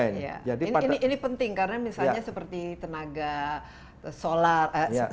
ini penting karena misalnya seperti tenaga solar